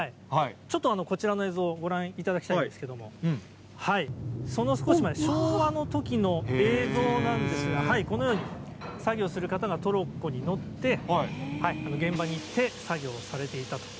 ちょっとこちらの映像をご覧いただきたいんですけれども、その少し前、昭和のときの映像なんですが、このように作業をする方がトロッコに乗って、現場に行って作業をされていたと。